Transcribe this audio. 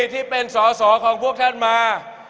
จะเป็นศาสตร์ของพวกท่านมา